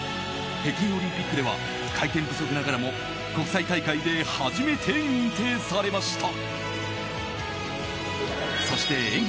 北京オリンピックでは回転不足ながらも国際大会で初めて認定されました。